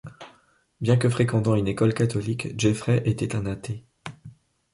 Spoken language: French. Bien que fréquentant une école catholique, Jeffrey était un athée.